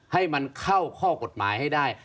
ให้มันเข้าข้อกฎหมายให้ได้